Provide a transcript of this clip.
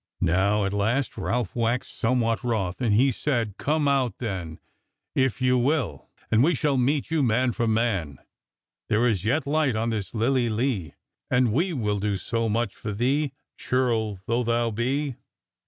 Now at last Ralph waxed somewhat wroth, and he said: "Come out then, if you will, and we shall meet you man for man; there is yet light on this lily lea, and we will do so much for thee, churl though thou be."